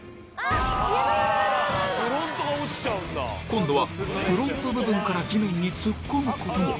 今度はフロント部分から地面に突っ込むことに。